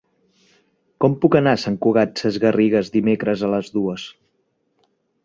Com puc anar a Sant Cugat Sesgarrigues dimecres a les dues?